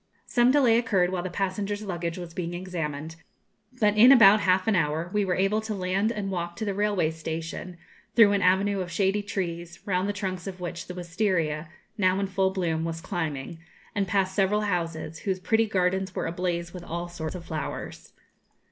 Some delay occurred while the passengers' luggage was being examined; but in about half an hour we were able to land and walk to the railway station, through an avenue of shady trees, round the trunks of which the wistaria, now in full bloom, was climbing, and past several houses, whose pretty gardens were ablaze with all sorts of flowers.